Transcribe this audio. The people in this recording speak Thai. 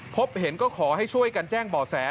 พบเห็นก็ขอให้ช่วยกันแจ้งบ่อแส